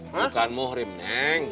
bukan muhrim neng